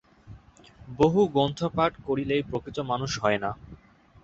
বহু গ্রন্থপাঠ করিলেই প্রকৃত মানুষ হয় না।